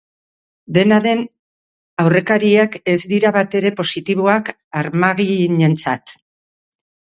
Dena den, aurrekariak ez dira batere positiboak armaginentzat.